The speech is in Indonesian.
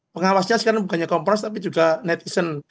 pengawasnya sekarang bukannya kompres tapi juga netizen